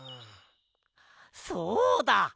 そうだ！